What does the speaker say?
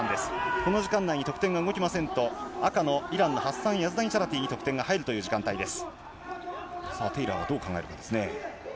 この時間内で得点が動きませんと、赤のイランのハッサン・ヤズダニチャラティに得点が入るという時間帯です。